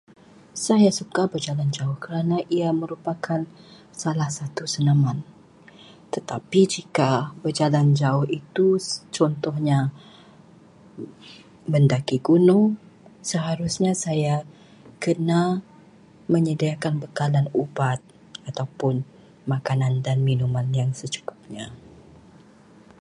Saya suka berjalan jauh kerana ia merupakan salah satu senaman. Tetapi jika berjalan jauh itu contohnya mendaki gunung, seharusnya saya kena menyediakan bekalan ubat ataupun makanan dan minuman yang secukupnya.